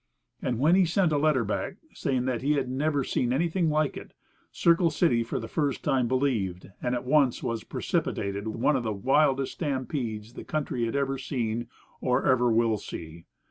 And when he sent a letter back, saying that he had never seen "anything like it," Circle City for the first time believed, and at once was precipitated one of the wildest stampedes the country had ever seen or ever will see.